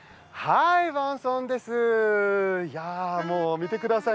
見てください